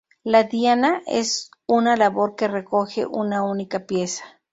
La Diana es una labor que recoge una única pieza.